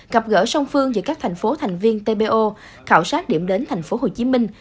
gặp gỡ song phương giữa các thành phố thành viên tpo khảo sát điểm đến thành phố hồ chí minh